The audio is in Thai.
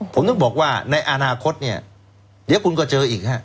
ผมถึงบอกว่าในอนาคตเนี่ยเดี๋ยวคุณก็เจออีกฮะ